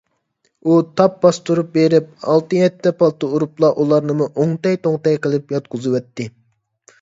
ئۇ تاپ باستۇرۇپ بېرىپ، ئالتە - يەتتە پالتا ئۇرۇپلا ئۇلارنىمۇ ئوڭتەي - توڭتەي قىلىپ ياتقۇزۇۋەتتى.